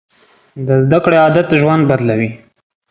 د زده کړې عادت ژوند بدلوي.